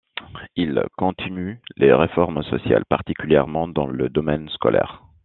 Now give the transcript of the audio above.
Il continue les réformes sociales, particulièrement dans le domaines scolaire.